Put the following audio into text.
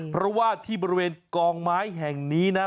เพราะว่าที่บริเวณกองไม้แห่งนี้นะ